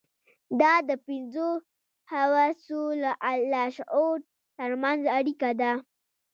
دا د پنځو حواسو او لاشعور ترمنځ اړيکه ده.